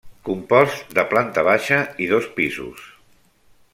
Compost de planta baixa i dos pisos.